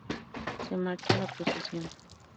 Se marcha la procesión.